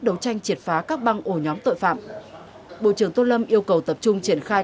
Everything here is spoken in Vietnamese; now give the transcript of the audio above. đấu tranh triệt phá các băng ổ nhóm tội phạm bộ trưởng tôn lâm yêu cầu tập trung triển khai